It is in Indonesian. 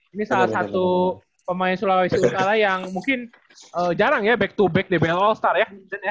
ini salah satu pemain sulawesi utara yang mungkin jarang ya back to back dbl all star ya